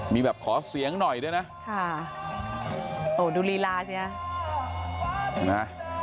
มีแบบขอเสียงหน่อยด้วยนะดูลีลาสินะ